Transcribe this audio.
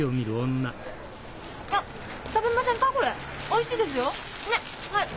おいしいですよ。ねはい。